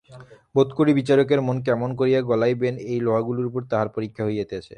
বোধ করি, বিচারকের মন কেমন করিয়া গলাইবেন এই লোহাগুলার উপর তাহার পরীক্ষা হইতেছে।